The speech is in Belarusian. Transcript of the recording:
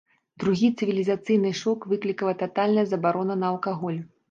Другі цывілізацыйны шок выклікала татальная забарона на алкаголь.